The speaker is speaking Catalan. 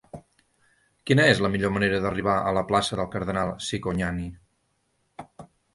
Quina és la millor manera d'arribar a la plaça del Cardenal Cicognani?